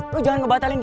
lu jangan ngebatalin gitu